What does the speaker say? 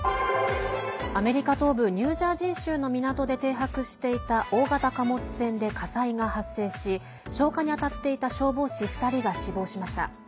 アメリカ東部ニュージャージー州の港で停泊していた大型貨物船で火災が発生し消火にあたっていた消防士２人が死亡しました。